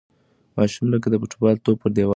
ماشوم لکه د فوټبال توپ پر دېوال ولگېد.